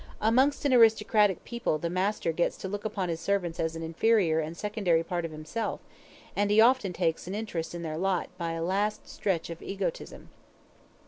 Amongst an aristocratic people the master gets to look upon his servants as an inferior and secondary part of himself, and he often takes an interest in their lot by a last stretch of egotism.